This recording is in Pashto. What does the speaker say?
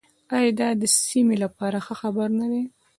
آیا دا د سیمې لپاره ښه خبر نه دی؟